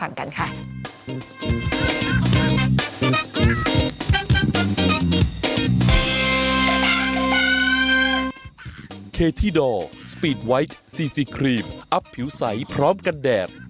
นุ่มฉันจะไปเป็นที่